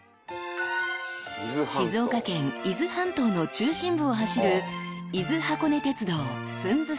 ［静岡県伊豆半島の中心部を走る］